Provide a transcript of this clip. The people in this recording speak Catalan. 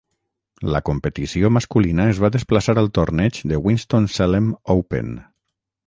La competició masculina es va desplaçar al torneig de Winston-Salem Open.